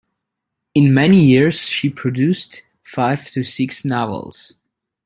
In many years she produced five to six novels.